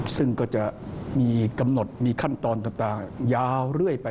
ซึ่งก็จะมีกำหนดมีขั้นตอนต่างยาวเรื่อยไป